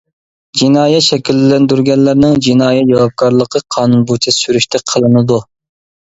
جىنايەت شەكىللەندۈرگەنلەرنىڭ جىنايى جاۋابكارلىقى قانۇن بويىچە سۈرۈشتە قىلىنىدۇ.